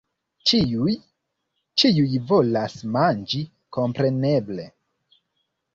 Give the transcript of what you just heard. Ĉiuj... ĉiuj volas manĝi kompreneble!